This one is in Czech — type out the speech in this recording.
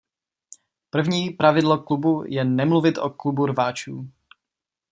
První pravidlo Klubu je nemluvit o Klubu rváčů.